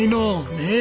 ねえ！